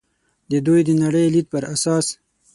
د دوی د نړۍ لید پر اساس.